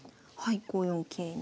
５四桂に。